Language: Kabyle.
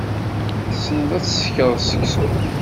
Tessneḍ ad tsekreḍ seksu.